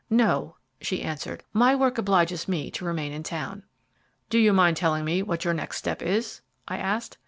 "No," she answered, "my work obliges me to remain in town." "Do you mind telling me what your next step is?" I asked.